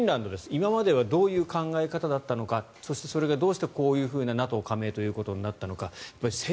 今まではどういう考え方だったのかそして、それがどうしてＮＡＴＯ加盟となったのか。